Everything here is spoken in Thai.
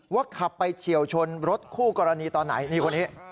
ขับไปเฉียวชนรถคู่กรณีตอนไหนนี่คนนี้